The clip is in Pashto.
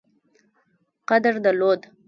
قدر درلود.